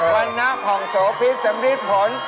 วันนักของโสภิษฐ์สมฤทธิ์ผล